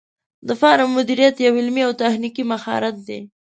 د فارم مدیریت یو علمي او تخنیکي مهارت دی.